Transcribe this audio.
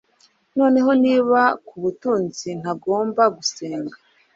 Noneho niba kubutunzi ntagomba gusenga,